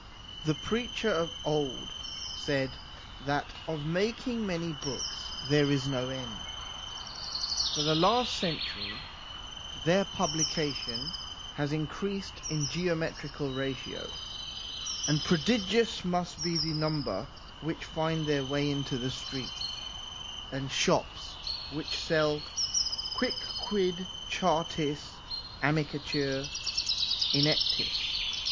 The preacher of old said that of making many books there is no end . For the last century their publication has increased in geometrical ratio, and prodigious must be the number which find their way into the streets and shops which sell quicquid chartis amicitur ineptis.